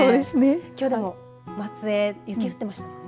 きょう、でも松江雪、降ってましたね。